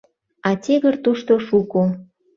А тигр тушто шуко.